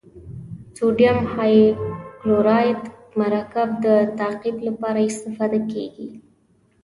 سوډیم هایپوکلورایت مرکب د تعقیم لپاره استفاده کیږي.